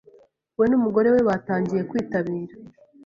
we n’umugore we batangiye kwitabira